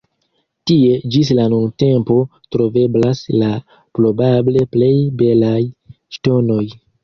Tie ĝis la nuntempo troveblas la probable plej belaj ŝtonoj.